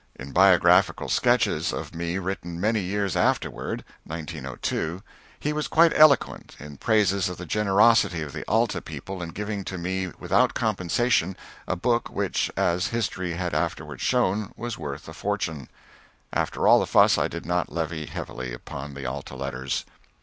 In biographical sketches of me written many years afterward (1902), he was quite eloquent in praises of the generosity of the "Alta" people in giving to me without compensation a book which, as history had afterward shown, was worth a fortune. After all the fuss, I did not levy heavily upon the "Alta" letters.